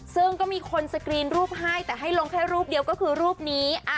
ซึ่งก็มีคนสกรีนรูปให้แต่ให้ลงแค่รูปเดียวก็คือรูปนี้